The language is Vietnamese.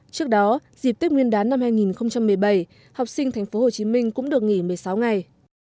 trước đó dịp tết nguyên đán năm hai nghìn một mươi bảy học sinh tp hcm cũng được nghỉ một mươi sáu ngày